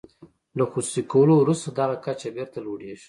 له خصوصي کولو وروسته دغه کچه بیرته لوړیږي.